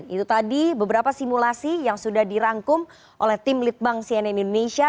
itu tadi beberapa simulasi yang sudah dirangkum oleh tim litbang cnn indonesia